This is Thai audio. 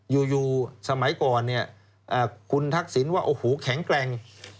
อยู่สมัยก่อนเนี่ยคุณทักษิณว่าโอ้โหแข็งแกร่ง